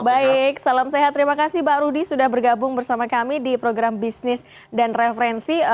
baik salam sehat terima kasih pak rudy sudah bergabung bersama kami di program bisnis dan referensi